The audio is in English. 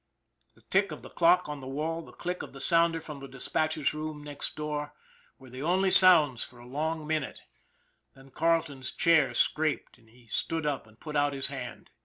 The tick of the clock on the wall, the click of the sounder from the dispatcher's room next door were GUARDIAN OF THE DEVIL'S SLIDE 181 the only sounds for a long minute, then Carleton's chair scraped and he stood up and put out his hand.